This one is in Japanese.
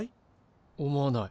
思わない。